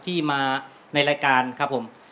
ที่มาในรายการครับผม